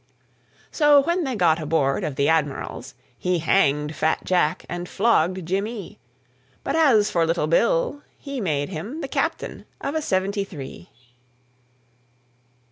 So when they got aboard of the Admiral's He hanged fat Jack and flogged Jimmee; But as for little Bill, he made him The Captain of a Seventy three.